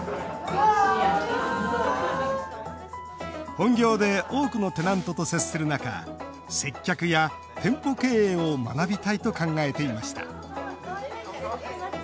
本業で多くのテナントと接する中接客や店舗経営を学びたいと考えていました。